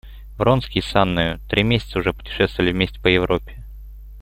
Вронский с Анною три месяца уже путешествовали вместе по Европе.